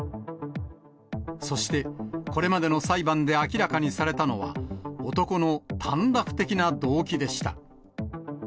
そして、これまでの裁判で明らかにされたのは、男の短絡的な動機でした。